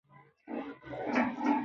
فاسدی پروسې باید له منځه یوړل شي.